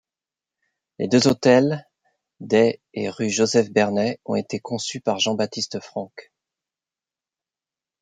Les deux hôtels des et rue Joseph-Vernet ont été conçus par Jean-Baptiste Franque.